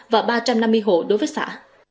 và năm mươi hộ đỗ phước xã